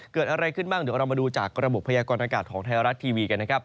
เกิดอะไรขึ้นบ้างเดี๋ยวเรามาดูจากกระบุพยากรณากาศของไทยรัตรีณทีวี